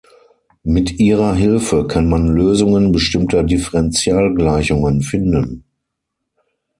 Mit ihrer Hilfe kann man Lösungen bestimmter Differentialgleichungen finden.